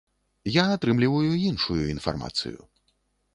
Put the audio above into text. Я атрымліваю іншую інфармацыю.